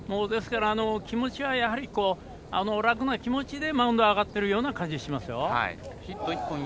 気持ちは、やはり楽な気持ちでマウンドに上がっているような感じしますよ。